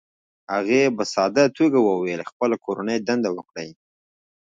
هغې په ساده توګه وویل: "خپله کورنۍ دنده وکړئ،